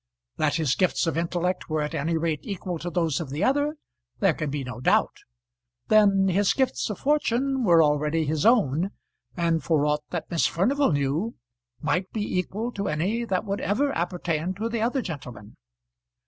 That his gifts of intellect were at any rate equal to those of the other there can be no doubt. Then, his gifts of fortune were already his own, and for ought that Miss Furnival knew, might be equal to any that would ever appertain to the other gentleman.